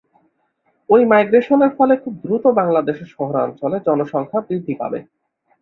ওই মাইগ্রেশনের ফলে খুব দ্রুত বাংলাদেশের শহরাঞ্চলে জনসংখ্যা বৃদ্ধি পাবে।